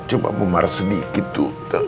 coba bumar sedikit tuh